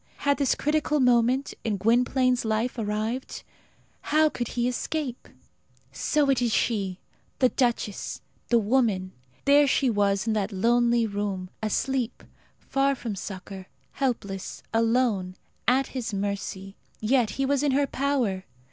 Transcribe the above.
Had this critical moment in Gwynplaine's life arrived? How could he escape? So it is she the duchess, the woman! There she was in that lonely room asleep, far from succour, helpless, alone, at his mercy; yet he was in her power!